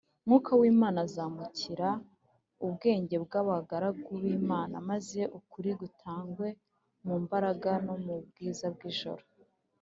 ” mwuka w’imana azamurikira ubwenge bw’abagaragu b’imana, maze ukuri gutangwe mu mbaraga no mu bwiza bw’ijuru